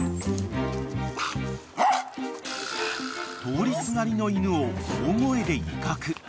［通りすがりの犬を大声で威嚇］